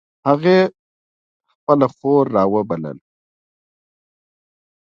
هغې خپله خور را و بلله